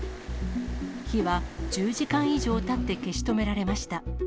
火は、１０時間以上たって消し止められました。